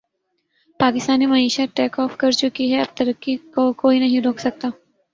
پاکستانی معشیت take off کرچکی ھے اب ترقی کو کوئی نہیں روک سکتا